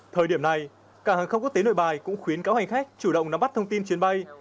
thời điểm này cảng hàng không quốc tế nội bài cũng khuyến cáo hành khách chủ động nắm bắt thông tin chuyến bay